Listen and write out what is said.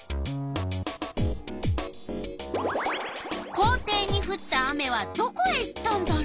校庭にふった雨はどこへ行ったんだろう？